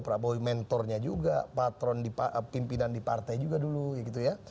prabowo mentornya juga patron pimpinan di partai juga dulu gitu ya